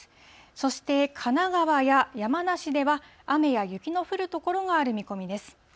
そして、神奈川や山梨では雨や雪の降る所がある見込みです。